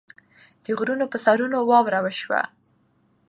د غرونو پۀ سرونو واوره وشوه